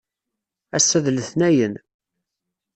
Assa d letnayen.